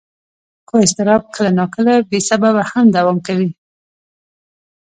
خو اضطراب کله ناکله بې سببه هم دوام کوي.